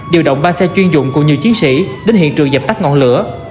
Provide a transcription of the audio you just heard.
điều động ba xe chuyên dụng cùng nhiều chiến sĩ đến hiện trường dập tắt ngọn lửa